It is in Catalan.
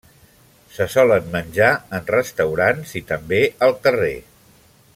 Se solen menjar en restaurants i també al carrer.